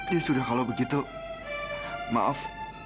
ya sudah kalau begitu maaf